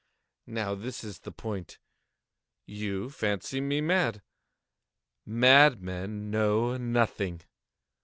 Now this is the point. You fancy me mad. Madmen know nothing.